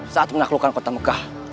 saat menaklukkan kota mekah